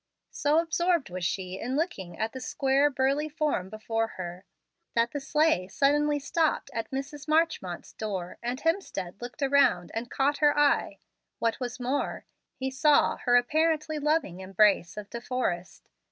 So absorbed was she in looking at the square, burly form before her, that the sleigh suddenly stopped at Mrs. Marchmont's door, and Hemstead looked around and caught her eye. What was more, he saw her apparently loving embrace of De Forrest.